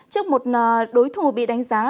trước một đối thủ bị đánh giá